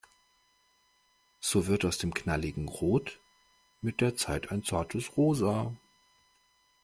So wird aus dem knalligen Rot mit der Zeit ein zartes Rosa.